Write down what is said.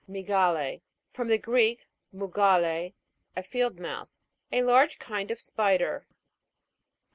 MY'GALE. From the Greek, mugale, a field mouse. A large kind of spider.